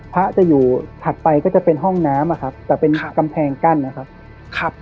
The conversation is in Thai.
พระจะอยู่ถัดไปก็จะเป็นห้องน้ำอะครับแต่เป็นกำแพงกั้นนะครับ